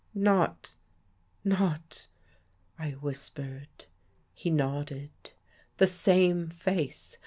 "Not ... Not ...?" I whispered. He nodded. " The same face.